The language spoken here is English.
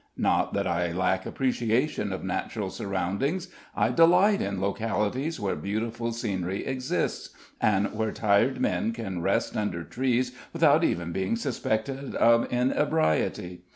Not that I lack appreciation of natural surroundings. I delight in localities where beautiful scenery exists, and where tired men can rest under trees without even being suspected of inebriety.